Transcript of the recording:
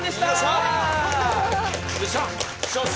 よし！